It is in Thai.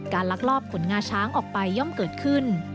ลักลอบขนงาช้างออกไปย่อมเกิดขึ้น